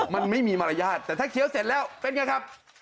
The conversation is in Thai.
มันไม่มีมารยาทแต่ถ้าเคี้ยวเสร็จแล้วเป็นไงครับ